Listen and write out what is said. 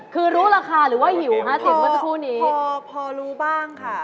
คือรู้ราคาหรือว่าหิว๕๐เมื่อสักครู่นี้พอรู้บ้างค่ะ